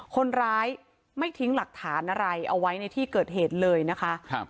คนร้ายไม่ทิ้งหลักฐานอะไรเอาไว้ในที่เกิดเหตุเลยนะคะครับ